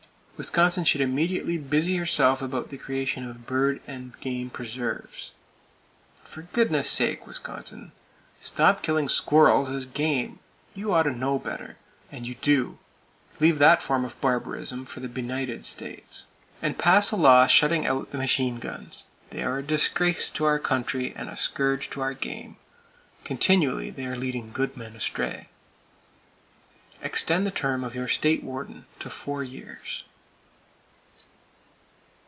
Wisconsin should immediately busy herself about the creation of bird and game preserves. For goodness sake, Wisconsin, stop killing squirrels as "game!" You ought to know better—and you do! Leave that form of barbarism for the Benighted States. And pass a law shutting out the machine guns. They are a disgrace to our country, and a scourge to our game. Continually are they leading good men astray. Extend the term of your State Warden to four years.